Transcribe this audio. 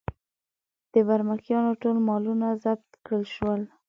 د برمکیانو ټول مالونه ضبط کړل شول.